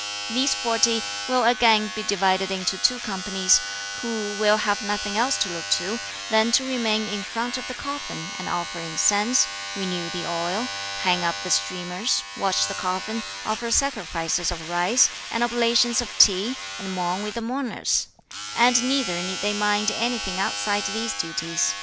These forty will again be divided into two companies, who will have nothing else to look to than to remain in front of the coffin and offer incense, renew the oil, hang up the streamers, watch the coffin, offer sacrifices of rice, and oblations of tea, and mourn with the mourners; and neither need they mind anything outside these duties.